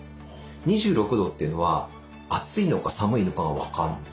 ２６度というのは暑いのか寒いのかが分かんない。